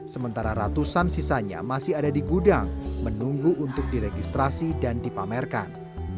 sementara ratusan sisanya masih ada di gudang menunggu untuk diregistrasi dan dipamerkan